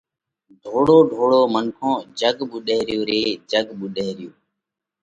ڍوڙو ڍوڙو منکون، جڳ ٻُوڏئه ريو ري، جڳ ٻُوڏئه ريو۔